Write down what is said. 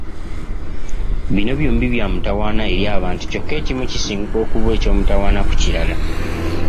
Bino byombi bya mutawaana eri abantu kyokka ekimu kisinga okuba eky’omutawaana ku kirala.